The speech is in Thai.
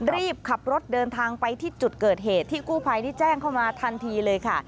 รีบขับรถเดินทางไปที่จุดเกิดเหตุที่กู้ภัยได้แจ้งเข้ามาทันทีเลยค่ะ